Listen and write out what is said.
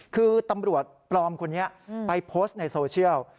คือตำรวจปลอมคนนี้ไปโพสต์ในโซเชียล